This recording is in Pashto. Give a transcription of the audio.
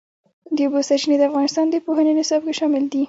د اوبو سرچینې د افغانستان د پوهنې نصاب کې شامل دي.